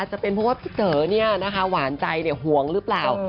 จะไปมองว่าพี่เจ้าเนี่ยนะคะหวานใจห่วงรึเปล่า